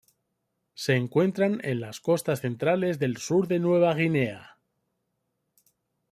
Se encuentran en las costas centrales del sur de Nueva Guinea.